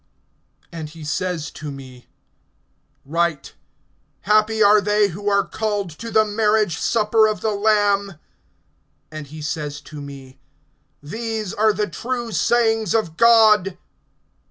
(9)And he says to me: Write, Happy are they who are called to the marriage supper of the Lamb. And he says to me: These are the true sayings of God.